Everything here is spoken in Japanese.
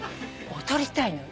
踊りたいのよ。